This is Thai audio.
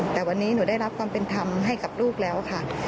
แต่วันนี้หนูได้รับความเป็นธรรมให้กับลูกแล้วค่ะ